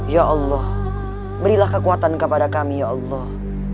ya allah berilah kekuatan kepada kami ya allah